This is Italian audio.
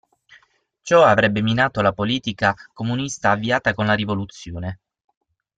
Ciò avrebbe minato la politica comunista avviata con la rivoluzione.